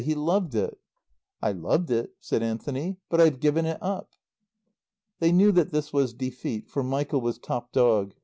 He loved it." "I loved it," said Anthony, "but I've given it up." They knew that this was defeat, for Michael was top dog.